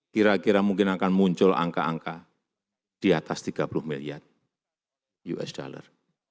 kira kira mungkin akan muncul angka angka di atas tiga puluh million us dollar